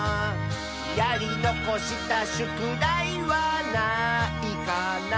「やりのこしたしゅくだいはないかな」